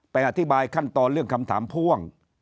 อธิบายขั้นตอนเรื่องคำถามพ่วง